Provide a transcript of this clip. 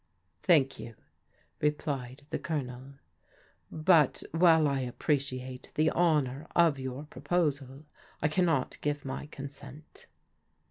" Thank you," replied the Colonel. " But while I ap preciate the honour of your proposal, I cannot give my consent."